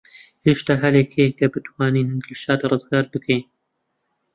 هێشتا هەلێک هەیە کە بتوانین دڵشاد ڕزگار بکەین.